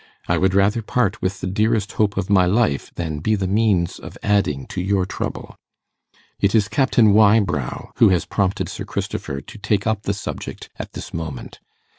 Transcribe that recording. I would rather part with the dearest hope of my life than be the means of adding to your trouble. 'It is Captain Wybrow who has prompted Sir Christopher to take up the subject at this moment.